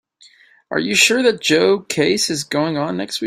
Are you sure that Joe case is going on next week?